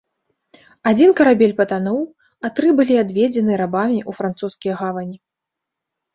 Адзін карабель патануў, а тры былі адведзены рабамі ў французскія гавані.